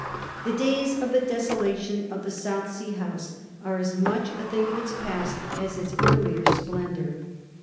The days of the desolation of the South Sea House are as much a thing of its past as its earlier splendour.